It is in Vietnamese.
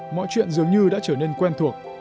mọi chuyện dường như đã trở thành một văn phòng